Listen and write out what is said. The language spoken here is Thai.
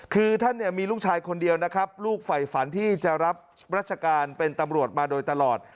คือท่านเนี่ยมีลูกชายคนเดียวนะครับลูกฝ่ายฝันที่จะรับรัชการเป็นตำรวจมาโดยตลอด